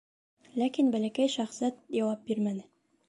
Ләкин Бәләкәй шаһзат яуап бирмәне.